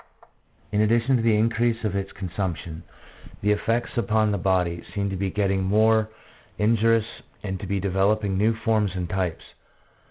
In addition to the increase of its consumption, the effects upon the body seem to be getting more in jurious and to be developing new forms and types.